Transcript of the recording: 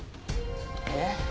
えっ？